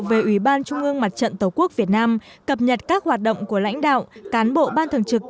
về ubnd mặt trận tổ quốc việt nam cập nhật các hoạt động của lãnh đạo cán bộ ban thường trực